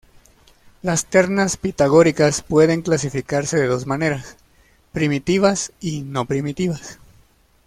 Las ternas pitagóricas pueden clasificarse de dos maneras: "primitivas" y "no primitivas".